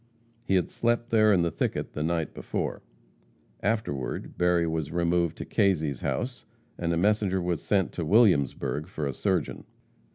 He had slept there in the thicket the night before. Afterward, Berry was removed to Kazy's house, and a messenger was sent to Williamsburg for a surgeon.